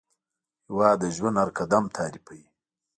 هېواد د ژوند هر قدم تعریفوي.